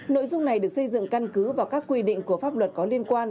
nội dung này được xây dựng căn cứ vào các quy định của pháp luật có liên quan